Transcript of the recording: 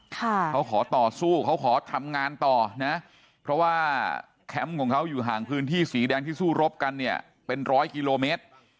เขาขอต่อสู้เขาขอทำงานต่อนะเพราะว่าแคมป์ของเขาอยู่ห่างพื้นที่สีแดงที่สู้รบกันเนี่ยเป็นร้อยกิโลเมตร